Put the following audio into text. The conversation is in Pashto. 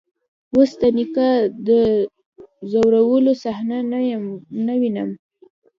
اوس د نيکه د ځورولو صحنه نه وينم.